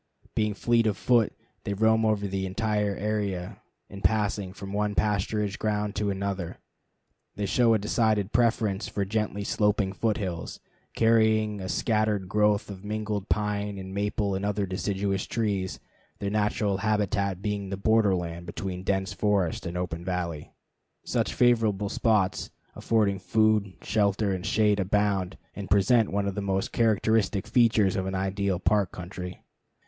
Being fleet of foot, they roam over the entire area in passing from one pasturage ground to another. They show a decided preference for gently sloping foot hills carrying a scattered growth of mingled pine and maple and other deciduous trees, their natural habitat being the border land between dense forest and open valley. Such favorite spots affording food, shelter, and shade abound, and present one of the most characteristic features of an ideal park country.